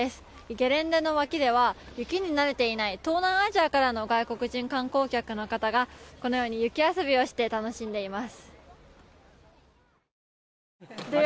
ゲレンデの脇では雪に慣れていない東南アジアからの外国人観光客の方がこのように雪遊びをして楽しんでいます。